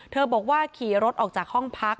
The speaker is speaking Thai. บอกว่าขี่รถออกจากห้องพัก